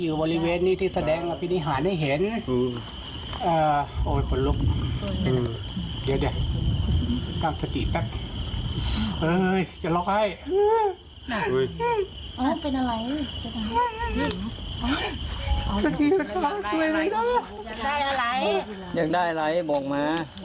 ยังได้อะไรบอกมา